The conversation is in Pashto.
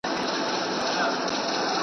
نه په وطن کي آشیانه سته زه به چیري ځمه.